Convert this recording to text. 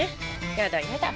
やだやだ。